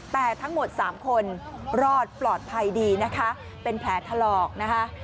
แต่ทั้งหมด๓คนรอดปลอดภัยดีนะคะเป็นแผลถลอกนะคะ